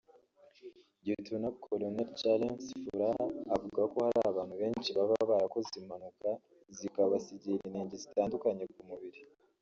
Lt Col Charles Furaha avuga ko hari abantu benshi baba barakoze impanuka zikabasigira inenge zitandukanye ku mubiri